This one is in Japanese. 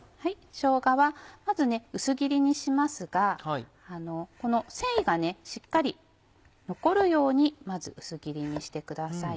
しょうがはまず薄切りにしますがこの繊維がしっかり残るようにまず薄切りにしてください。